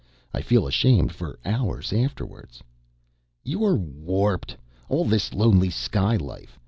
"I feel ashamed for hours afterwards." "You're warped all this lonely sky life.